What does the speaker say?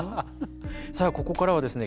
さあここからはですね